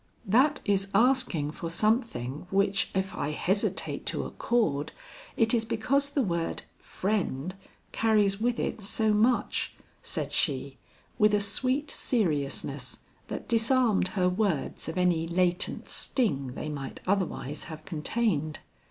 "That is asking for something which if I hesitate to accord, it is because the word, 'friend,' carries with it so much," said she, with a sweet seriousness that disarmed her words of any latent sting they might otherwise have contained.